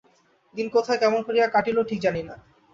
দিন কোথায় কেমন করিয়া কাটিল ঠিক জানি না।